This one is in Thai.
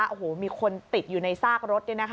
โอ้โหมีคนติดอยู่ในซากรถเนี่ยนะคะ